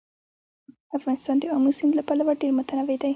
افغانستان د آمو سیند له پلوه ډېر متنوع دی.